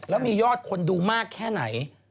แล้วมียอดคนดูมากแค่ไหน